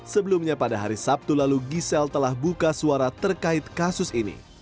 sebelumnya pada hari sabtu lalu giselle telah buka suara terkait kasus ini